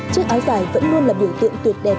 chiếc áo giải vẫn luôn là biểu tượng tuyệt đẹp